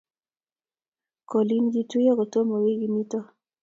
kolin kituiyo kutoma wikit nito